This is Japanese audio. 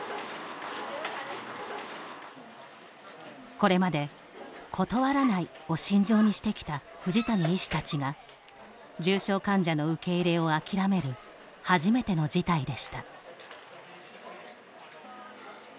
これまで「断らない」を信条にしてきた藤谷医師たちが重症患者の受け入れを諦める初めての事態でした。